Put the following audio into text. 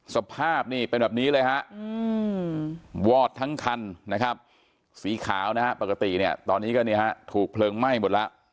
สภาพนี่เป็นแบบนี้เลยฮะวอดทั้งคันนะครับ